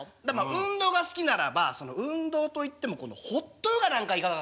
運動が好きならば運動といってもホットヨガなんかいかがかなと。